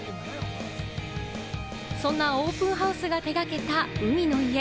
そんなオープンハウスが手がけた海の家。